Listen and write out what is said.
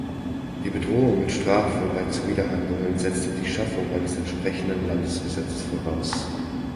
Die Bedrohung mit Strafe bei Zuwiderhandlungen setze die Schaffung eines entsprechenden Landesgesetzes voraus.